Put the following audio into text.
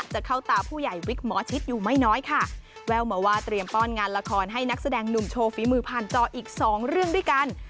จะเข้าตาผู้ใหญ่วิกหมอชิดอยู่ไม่น้อยค่ะแววมาว่าเตรียมป้อนงานละครให้นักแสดงหนุ่มโชว์ฝีมือผ่านจออีกสองเรื่องด้วยกัน